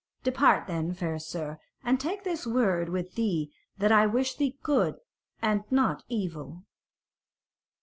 Depart then, fair sir, and take this word with thee that I wish thee good and not evil."